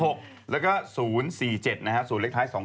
ตับเลขใช่ไหมฮะอันนั้นเลขกลับไม่ได้